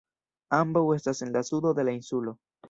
Ambaŭ estas en la sudo de la insulo.